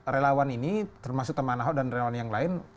relawan ini termasuk teman ahok dan relawan yang lain